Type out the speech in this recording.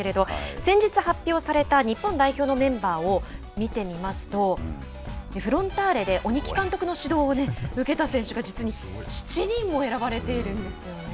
先日発表された日本代表のメンバーを見てみますと、フロンターレで鬼木監督の指導を受けた選手が実に７人も選ばれているんですよね。